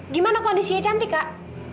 gimana kondisinya cantik kak